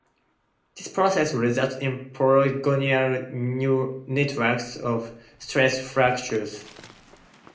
This process results in polygonal networks of stress fractures.